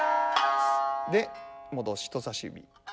で戻して人さし指。